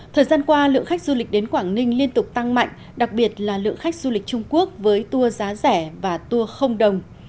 thời gian qua lượng khách du lịch đến quảng ninh liên tục tăng mạnh đặc biệt là lượng khách du lịch trung quốc với tour giá rẻ và tour không đồng